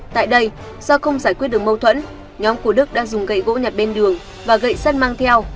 tại đây do không giải quyết được mâu thuẫn nhóm của đức đã dùng gậy gỗ nhặt bên đường và gậy sắt mang theo